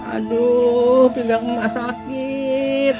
aduh pegang emak sakit